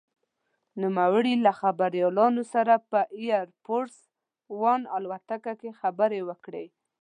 نوموړي له خبریالانو سره په «اېر فورس ون» الوتکه کې خبرې وکړې.